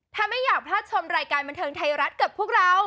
ถ้าไม่อยากพลาดชมรายการบันเทิงไทยรัฐกับพวกเรา